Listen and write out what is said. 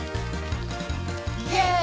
「イェーイ！」